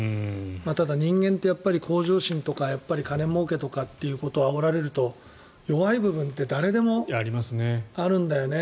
ただ、人間って向上心とか金もうけとかあおられると弱い部分って誰でもあるんだよね。